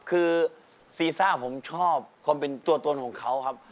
คือซีซ่าผมชอบความเป็นตัวตนของเขาครับ